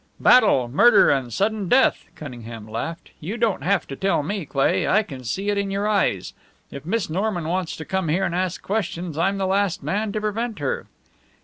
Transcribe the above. "Battle, murder, and sudden death!" Cunningham laughed. "You don't have to tell me, Cleigh! I can see it in your eyes. If Miss Norman wants to come here and ask questions, I'm the last man to prevent her."